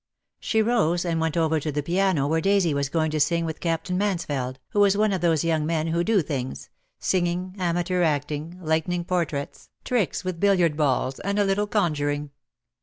She rose and went over to the piano where Daisy was going to sing with Captain Mansfeld, who was one of those young men who do things: singing, amateur acting, lightning portraits, tricks with bil liard balls, and a little conjuring.